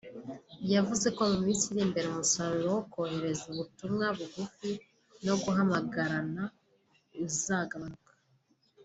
yavuze ko mu minsi iri imbere umusaruro wo kohereza ubutumwa bugufi no guhamagarana uzagabanuka